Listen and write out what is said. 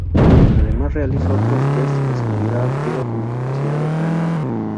Además realiza otros test de seguridad activa como capacidad de frenado.